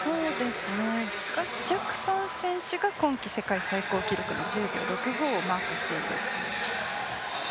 しかしジャクソン選手が今季世界最高記録の１０秒６５をマークしている。